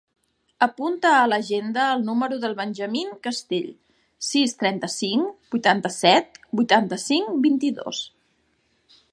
Apunta a l'agenda el número del Benjamín Castell: sis, trenta-cinc, vuitanta-set, vuitanta-cinc, vint-i-dos.